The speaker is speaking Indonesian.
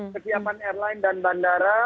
kesiapan airline dan bandara